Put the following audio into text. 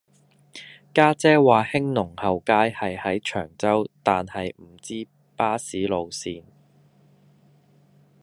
家姐話興隆後街係喺長洲但係唔知巴士路線